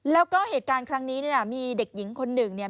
แล้วก็เหตุการณ์ครั้งนี้เนี่ยมีเด็กหญิงคนหนึ่งเนี่ย